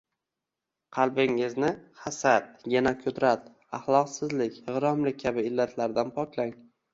Qalbingizni hasad, gina-kudurat, axloqsizlik, g‘irromlik kabi illatlardan poklang.